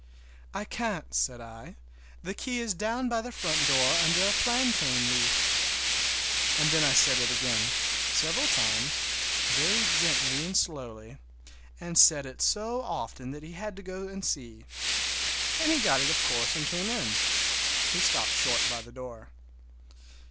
"I can't," said I. "The key is down by the front door under a plantain leaf!" And then I said it again, several times, very gently and slowly, and said it so often that he had to go and see, and he got it, of course, and came in. He stopped short by the door.